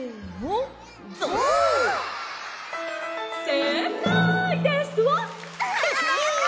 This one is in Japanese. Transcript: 「せいかいですわ！」。